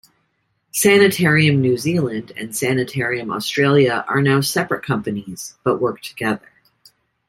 Sanitarium New Zealand and Sanitarium Australia are now separate companies, but work together.